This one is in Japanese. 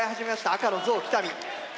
赤のゾウ北見。